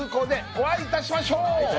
お会いいたしましょう。